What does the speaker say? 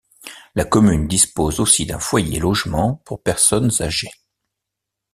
La commune dispose aussi d'un foyer logement pour personnes âgées.